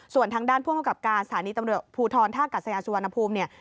ส่วนทางด้านผู้มนุยการฝ่ายความมั่นคงบริษัทศาลีตำรวจภูทรท่ากัศยาสุวรรณภูมิ